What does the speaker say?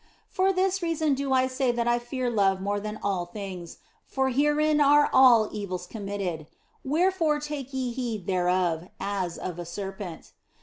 For this reason do I say that I fear love more than all things, for herein are all evils committed. Wherefore take ye heed thereof, as of a serpent.